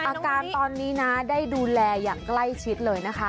อาการตอนนี้นะได้ดูแลอย่างใกล้ชิดเลยนะคะ